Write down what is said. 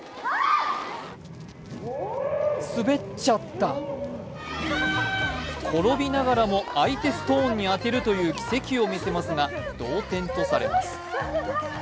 滑っちゃった転びながらも相手ストーンに当てるという奇跡を見せますが同点とされます。